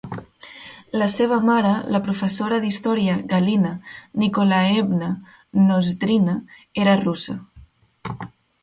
La seva mare, la professora d'història Galina Nikolaevna Nozdrina, era russa.